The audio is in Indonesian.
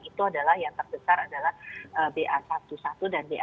itu adalah yang terbesar adalah ba sebelas dan ba